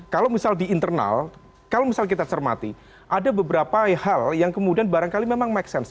kalau misal di internal kalau misal kita cermati ada beberapa hal yang kemudian barangkali memang make sense